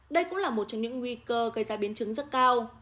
đây cũng là một trong những nguy cơ gây ra biến chứng rất cao